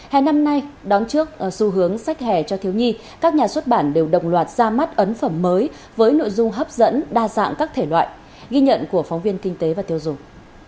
hè năm nay đón trước xu hướng sách hè cho thiếu nhi các nhà xuất bản đều đồng loạt ra mắt ấn phẩm mới với nội dung hấp dẫn đa dạng các thể loại ghi nhận của phóng viên kinh tế và tiêu dùng